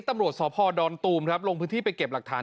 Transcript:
ตำรวจสพดอนตูมครับลงพื้นที่ไปเก็บหลักฐาน